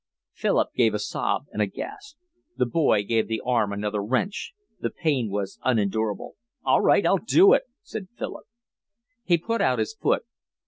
Philip gave a sob and a gasp. The boy gave the arm another wrench. The pain was unendurable. "All right. I'll do it," said Philip. He put out his foot.